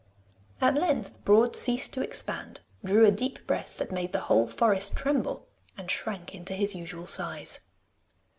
At length Broad ceased to expand, drew a deep breath that made the whole forest tremble, and shrank into his usual size.